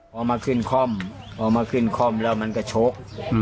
พอมาขึ้นค่อมพอมาขึ้นค่อมแล้วมันก็ชก